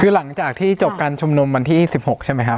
คือหลังจากที่จบการชุมนุมวันที่๑๖ใช่ไหมครับ